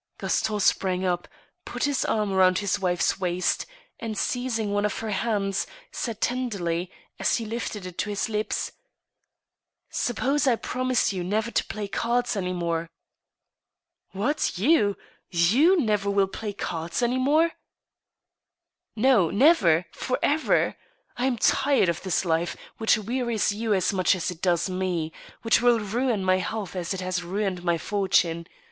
" Gaston sprang up, put his arm round his wife's waist, and, seizing one of hei hands, said tenderly, as he lifted it to his lips :* Suppose I promise you never to play cards any more ?"'• What, you ? You never will play cards any more ?"* No, never — for ever ! I am tired of this life, which wearies you as much as it does me ; which will ruin my health as it has ruined my fortune.